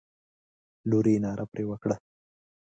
لور یې ناره پر وکړه.